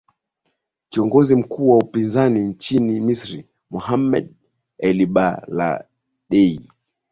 kiongozi mkuu wa upinzani nchini misri mohamed elbaladei